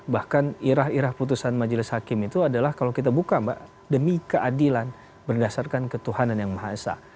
bahkan irah irah putusan majelis hakim itu adalah kalau kita buka mbak demi keadilan berdasarkan ketuhanan yang maha esa